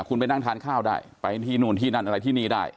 คุณไปนั่งทานข้าวได้ไปที่นู่นที่นั่นอะไรที่นี่ได้